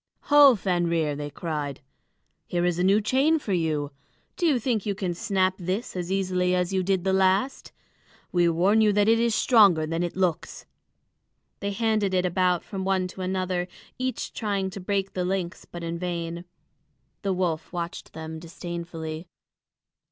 "Ho, Fenrir!" they cried. "Here is a new chain for you. Do you think you can snap this as easily as you did the last? We warn you that it is stronger than it looks." They handed it about from one to another, each trying to break the links, but in vain. The wolf watched them disdainfully.